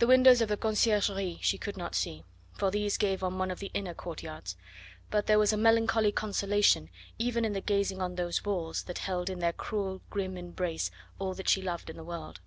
The windows of the Conciergerie she could not see, for these gave on one of the inner courtyards; but there was a melancholy consolation even in the gazing on those walls that held in their cruel, grim embrace all that she loved in the world.